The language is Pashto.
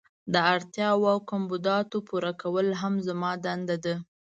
د اړتیاوو او کمبوداتو پوره کول هم زما دنده ده.